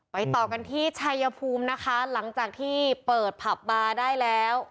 ต่อกันที่ชัยภูมินะคะหลังจากที่เปิดผับบาร์ได้แล้ว